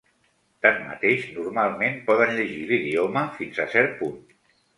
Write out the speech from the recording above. Tanmateix, normalment poden llegir l'idioma fins a cert punt.